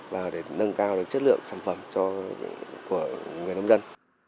và để nâng cao được chất lượng sản phẩm của người nông dân